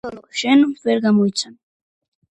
ოლოლო შენ, ვერ გამოიცან